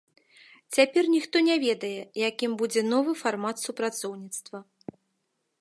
Цяпер ніхто не ведае, якім будзе новы фармат супрацоўніцтва.